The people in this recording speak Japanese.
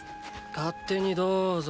勝手にどーぞ。